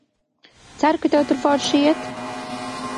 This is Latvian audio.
Ceru, ka tev tur forši iet!